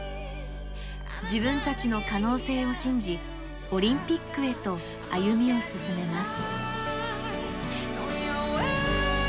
自分たちの可能性を信じオリンピックへと歩みを進めます。